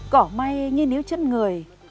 cỏ may như níu chất người